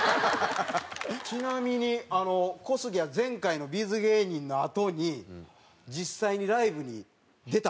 ちなみに小杉は前回のＢ’ｚ芸人のあとに実際にライブに出た？